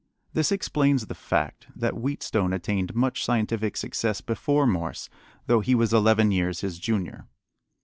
This explains the fact that Wheatstone attained much scientific success before Morse, though he was eleven years his junior.